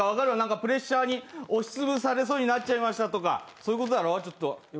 プレッシャーに押しつぶされそうになったとかそういうことでしょう。